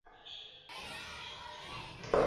是邓小平生母谈氏的墓葬。